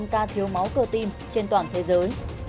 năm mươi sáu ca thiếu máu cơ tim trên toàn thế giới